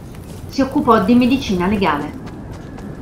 Si occupò di medicina legale.